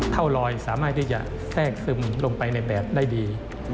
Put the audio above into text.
เท่าลอยสามารถที่จะแทรกซึมลงไปในแบบได้ดี